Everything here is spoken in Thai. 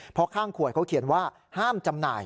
เพราะข้างขวดเขาเขียนว่าห้ามจำหน่าย